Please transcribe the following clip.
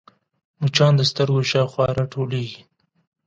مچان د سترګو شاوخوا راټولېږي